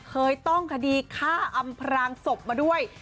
เคยต้องคดีฆ่าอำพรางศพมาด้วย